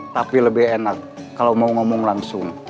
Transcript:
tapi lebih enak kalau mau ngomong langsung